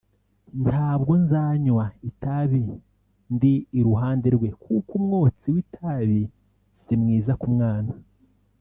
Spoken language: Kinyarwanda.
“ Ntabwo nzanywa itabi ndi iruhande rwe kuko umwotsi w’itabi si mwiza ku mwana